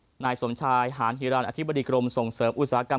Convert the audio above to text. อุตสาหกรรมไทยหารฮิราณอธิบดิกรมส่งเสริมอุตสาหกรรม